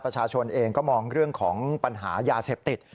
ประชาชนเองก็มองเรื่องของปัญหายาเสพติด